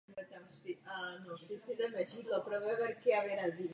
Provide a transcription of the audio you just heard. Byli bez zpěváka.